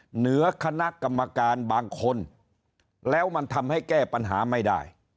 เหนือคณะกรรมการบางคนแล้วมันทำให้แก้ปัญหาไม่ได้